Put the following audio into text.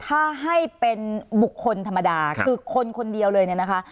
ถ้าให้เป็นบุคคลธรรมดาคือคนคนเดียวเลยเนี่ยนะคะ